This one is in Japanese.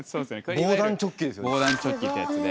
防弾チョッキってやつで。